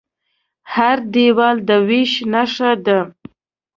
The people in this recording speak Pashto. هر دیوال د وېش نښه ده.